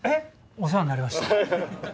お世話になりました